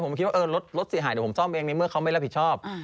ผมคิดว่ารถเสียหายเดี๋ยวผมซ่อมเองในเมื่อเขาไม่รับผิดชอบ